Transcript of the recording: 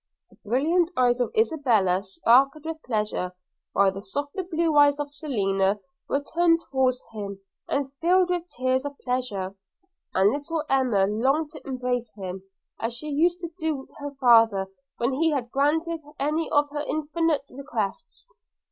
The brilliant eyes of Isabella sparkled with pleasure, while the softer blue eyes of Selina were turned towards him filled with tears of pleasure; and little Emma longed to embrace him, as she used to do her father when he had granted any of her infantine requests.